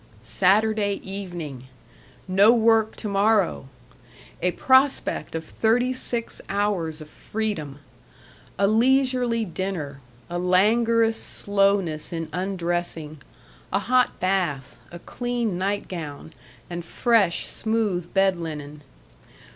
Saturday evening! No work to morrow! A prospect of thirty six hours of freedom. A leisurely dinner, a languorous slowness in undressing, a hot bath, a clean nightgown, and fresh, smooth bed linen.